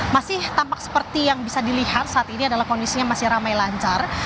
masih tampak seperti yang bisa dilihat saat ini adalah kondisinya masih ramai lancar